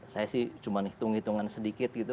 saya sih cuma hitung hitungan sedikit gitu